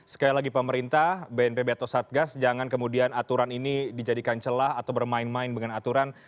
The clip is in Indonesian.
sekali lagi pemerintah bnpb atau satgas jangan kemudian aturan ini dijadikan celah atau bermain main dengan aturan